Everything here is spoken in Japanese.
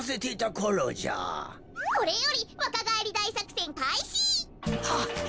これよりわかがえりだいさくせんかいし！はひ。